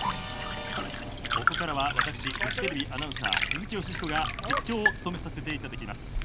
ここからは私フジテレビアナウンサー鈴木芳彦が実況を務めさせていただきます。